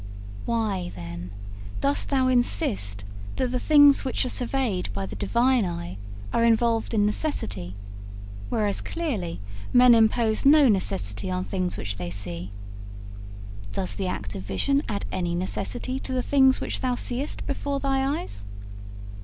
Why, then, dost thou insist that the things which are surveyed by the Divine eye are involved in necessity, whereas clearly men impose no necessity on things which they see? Does the act of vision add any necessity to the things which thou seest before thy eyes?'